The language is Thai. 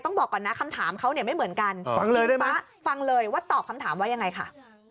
บอกก่อนนะคำถามเขาเนี่ยไม่เหมือนกันฟังเลยได้ไหมฟังเลยว่าตอบคำถามว่ายังไงค่ะ